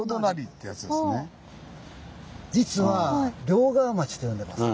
実は「両側町」と呼んでます。